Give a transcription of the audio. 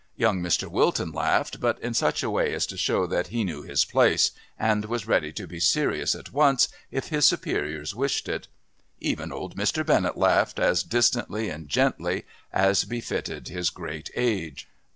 Young Mr. Wilton laughed, but in such a way as to show that he knew his place and was ready to be serious at once if his superiors wished it. Even old Mr. Bennett laughed as distantly and gently as befitted his great age.